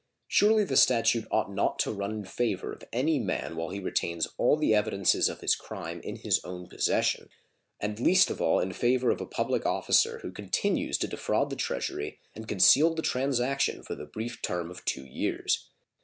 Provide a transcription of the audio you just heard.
Surely the statute ought not to run in favor of any man while he retains all the evidences of his crime in his own possession, and least of all in favor of a public officer who continues to defraud the Treasury and conceal the transaction for the brief term of two years.